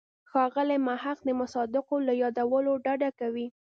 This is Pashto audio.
ښاغلی محق د مصادقو له یادولو ډډه کوي.